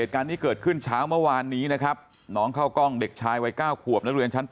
ขึ้นเช้าเมื่อวานนี้นะครับน้องเข้ากล้องเด็กชายวัย๙ขวบนักเรียนชั้นป๓